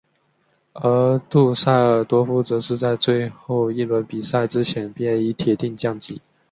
而杜塞尔多夫则是在最后一轮比赛之前便已铁定降级。